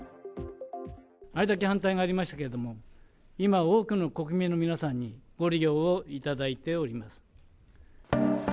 あれだけ反対がありましたけれども、今、多くの国民の皆さんにご利用をいただいております。